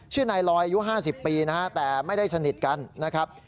ชื่อนายลอยอายุ๕๐ปีนะฮะแต่ไม่ได้สนิทกันนะครับ